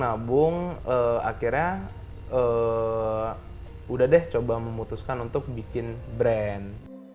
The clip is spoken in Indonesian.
nabung nabung akhirnya udah deh memutuskan untuk bikin brand